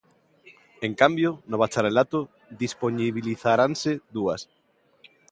En cambio, no bacharelato dispoñibilizaranse dúas.